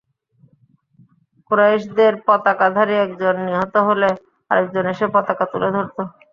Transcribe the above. কুরাইশদের পতাকাধারী একজন নিহত হলে আরেকজন এসে পতাকা তুলে ধরত।